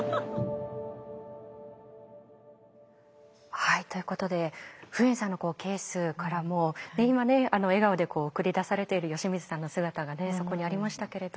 はいということでフエンさんのケースからも今ね笑顔で送り出されている吉水さんの姿がそこにありましたけれど。